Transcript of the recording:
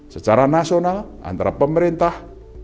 secara nasional antara pemerintah